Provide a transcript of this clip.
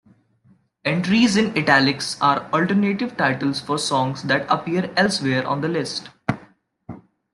Entries in "italics" are alternative titles for songs that appear elsewhere on the list.